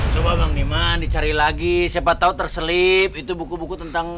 coba bang niman dicari lagi siapa tahu terselip itu buku buku tentang